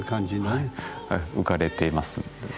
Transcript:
浮かれています。